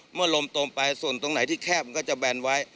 เมื่อลมต้มไปส่วนตรงไหนที่แคบก็จะแบนไว้